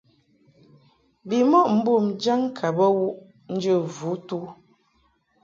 Bimɔʼ mbom jaŋ ka bə wuʼ njə vutu.